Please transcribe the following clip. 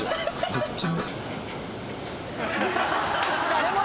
めっちゃ。